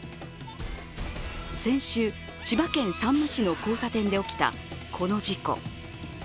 先週、千葉県山武市の交差点で起きた、この事故。